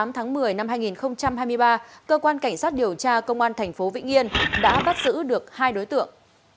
một mươi tháng một mươi năm hai nghìn hai mươi ba cơ quan cảnh sát điều tra công an thành phố vĩnh yên đã bắt giữ được hai đối tượng